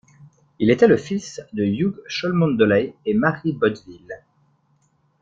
Il était le fils de Hugh Cholmondeley et Mary Bodvile.